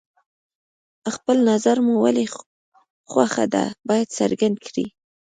خپل نظر مو ولې خوښه ده باید څرګند کړئ.